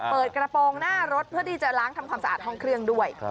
เปิดกระโปรงหน้ารถเพื่อที่จะล้างทำความสะอาดห้องเครื่องด้วย